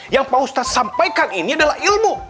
yang pak ustadz sampaikan ini adalah ilmu